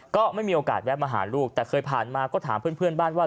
ก็ไม่มีโอกาสแวะมาหาลูกแต่เคยผ่านมาก็ถามเพื่อนบ้านว่า